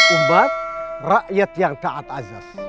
umat rakyat yang taat azas